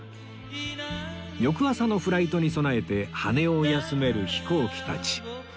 翌朝のフライトに備えて羽を休める飛行機たち